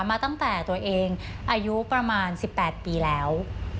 มาตั้งแต่ตัวเองอายุประมาณ๑๘ปีแล้ว